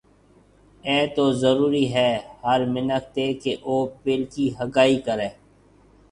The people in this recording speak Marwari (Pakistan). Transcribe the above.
اَي تو ضرُورِي هيَ هر مِنک تي ڪيَ او پيلڪِي هگائي ڪريَ۔